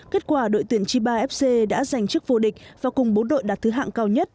kết quả đội tuyển chiba fc đã giành chức vô địch và cùng bốn đội đạt thứ hạng cao nhất